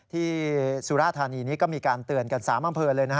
สุราธานีนี้ก็มีการเตือนกัน๓อำเภอเลยนะฮะ